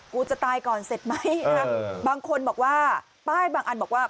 กูจะตายก่อนเสร็จไหมบางคนบอกว่าป้ายบางอันบอกว่า